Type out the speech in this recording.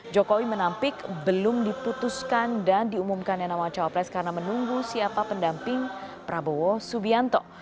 jokowi menampik belum diputuskan dan diumumkan yang nama cawapres karena menunggu siapa pendamping prabowo subianto